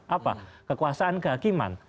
apa kekuasaan kehakiman